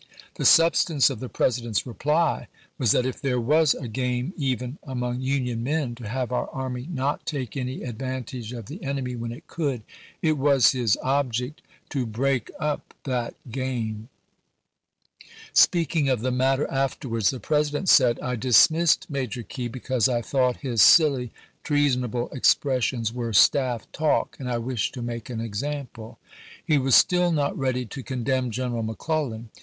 The sub stance of the President's reply was that if there was a game even among Union men to have our army not take any advantage of the enemy when it could, it was his object to break up that game. 188 ABEAHAM LINCOLN CHAP. IX. Speaking of the matter afterwards the President said, " I dismissed Major Key because I thought his silly, treasonable expressions were * staff talk ' Diary, and I wished to make an example." He was still not ready to condemn General Mc Clellan.